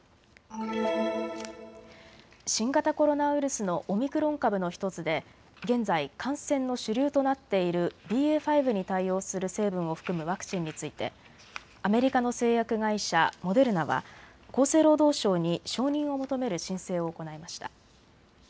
新型コロナウイルスのオミクロン株の１つで現在、感染の主流となっているＢＡ．５に対応する成分を含むワクチンについてアメリカの製薬会社、モデルナは厚生労働省に承認を求める申請を行いました。